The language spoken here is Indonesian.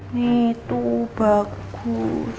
nih tuh bagus